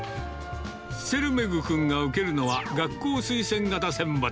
ツェルメグ君が受けるのは、学校推薦型選抜。